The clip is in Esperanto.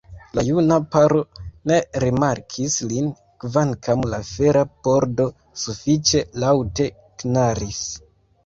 La juna paro ne rimarkis lin, kvankam la fera pordo sufiĉe laŭte knaris.